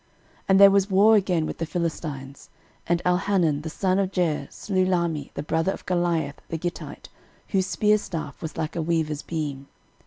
13:020:005 And there was war again with the Philistines; and Elhanan the son of Jair slew Lahmi the brother of Goliath the Gittite, whose spear staff was like a weaver's beam.